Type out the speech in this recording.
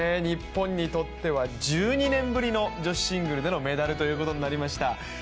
日本にとっては１２年ぶりの、女子シングルでのメダルということになりました。